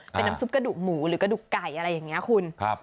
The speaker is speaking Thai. เป็นน้ำซุปกระดูกหมูหรือกระดูกไก่อะไรอย่างนี้คุณ